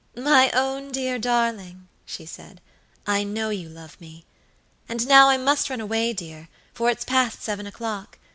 "My own dear darling," she said, "I know you love me. And now I must run away, dear, for it's past seven o'clock.